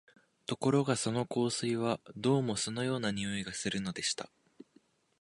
ところがその香水は、どうも酢のような匂いがするのでした